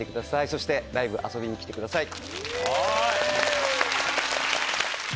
そしてライブ遊びに来てください。